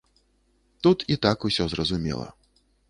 Тут і так усё зразумела.